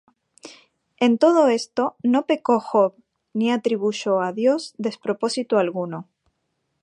En todo esto no pecó Job, ni atribuyó á Dios despropósito alguno.